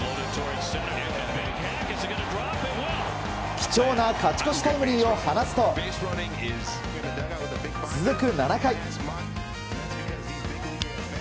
貴重な勝ち越しタイムリーを放つと続く７回。